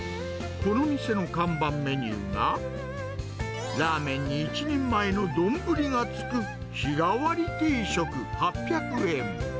この店の看板メニューが、ラーメンに１人前の丼がつく日替わり定食８００円。